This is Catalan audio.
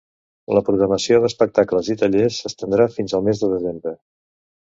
La programació d'espectacles i tallers s'estendrà fins al mes de desembre.